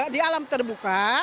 di alam terbuka